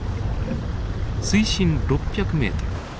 水深６００メートル。